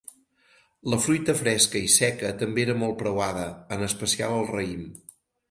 La fruita fresca i seca també era molt preuada, en especial el raïm.